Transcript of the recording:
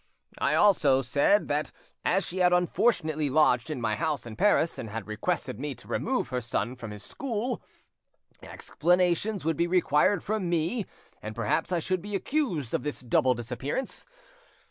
I said also that, as she had unfortunately lodged in my house in Paris, and had requested me to remove her son from his school, explanations would be required from me, and perhaps I should be accused of this double disappearance.